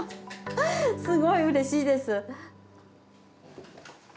すごいうれしいです。